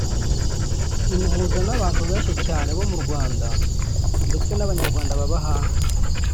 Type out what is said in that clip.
imuhuza n’ abantu benshi cyane bo mu Rwanda ndetse n’abanyarwanda baba hanze